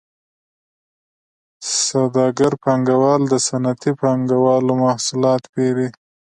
سوداګر پانګوال د صنعتي پانګوالو محصولات پېري